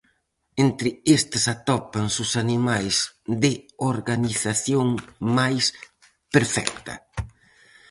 Entre estes atópanse os animais de organización máis perfecta.